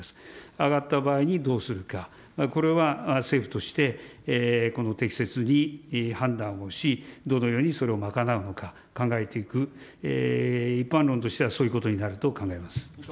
上がった場合にどうするか、これは政府として、この適切に判断をし、どのようにそれを賄うのか、考えていく、一般論としてはそういうことになると考えます。